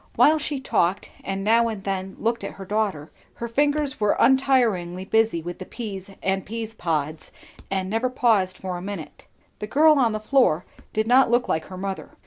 While she talked and now and then looked at her daughter, her fingers were untiringly busy with the peas and peas pods and never paused for a minute. The girl on the floor did not look like her mother.